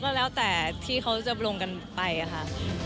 ก็แล้วแต่ที่เขาจะลงกันไปค่ะ